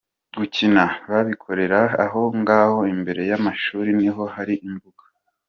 Gukina, babikorera aho ngaho imbere y’amashuri niho hari imbuga.